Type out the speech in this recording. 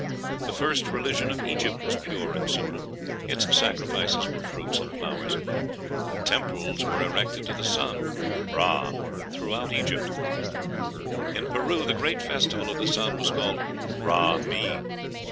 The first religion of Egypt was pure and simple; its sacrifices were fruits and flowers; temples were erected to the sun, Ra, throughout Egypt. In Peru the great festival of the sun was called Ra mi.